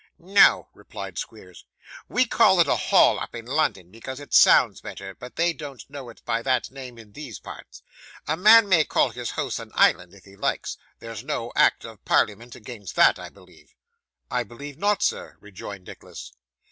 'No,' replied Squeers. 'We call it a Hall up in London, because it sounds better, but they don't know it by that name in these parts. A man may call his house an island if he likes; there's no act of Parliament against that, I believe?' 'I believe not, sir,' rejoined Nicholas.